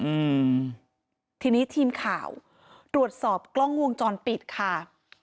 อืมทีนี้ทีมข่าวตรวจสอบกล้องวงจรปิดค่ะ